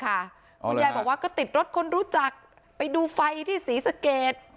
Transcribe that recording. คุณยายบอกว่าก็ติดรถคนรู้จักไปดูไฟที่ศรีสเกต